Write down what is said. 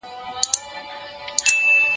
مرغه نه سي څوک یوازي په هګیو